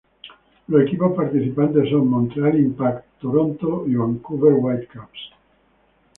Los equipos participantes son Montreal Impact, Toronto y Vancouver Whitecaps.